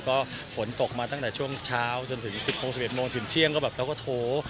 ก็ฝนตกมาตั้งแต่ช่วงเช้าจนถึง๑๐โมง๑๑โมงถึงเที่ยงก็แบบเราก็โถ